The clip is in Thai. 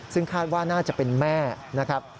ซึ่งคาดว่าน่าจะเป็นแม่นะครับ